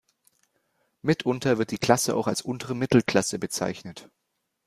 Mitunter wird die Klasse auch als untere Mittelklasse bezeichnet.